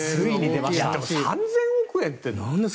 でも３０００億円って。